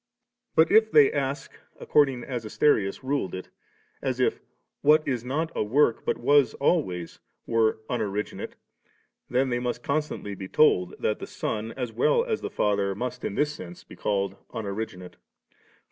But if they ask according as Asterius ruled it, as if 'what is not a work but was alwavs ' were unoriginate^ then they must constantly be told that tiie Son as well as the Father must in this sense be called unoriginate.